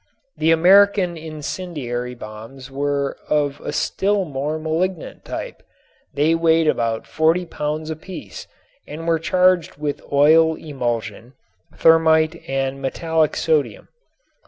The American incendiary bombs were of a still more malignant type. They weighed about forty pounds apiece and were charged with oil emulsion, thermit and metallic sodium.